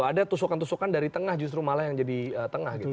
ada tusukan tusukan dari tengah justru malah yang jadi tengah gitu